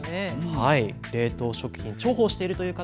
冷凍食品、重宝しているという方